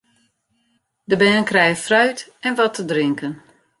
De bern krije fruit en wat te drinken.